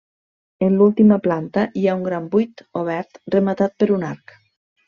En l'última planta hi ha un gran buit obert rematat per un arc.